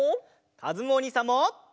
かずむおにいさんも！